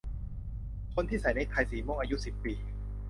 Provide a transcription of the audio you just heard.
คนที่ใส่เนกไทสีม่วงอายุสิบปี